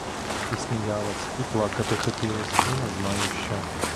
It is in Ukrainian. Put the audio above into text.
І сміялась, і плакати хотілось, і не знаю що!